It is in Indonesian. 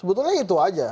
sebetulnya itu aja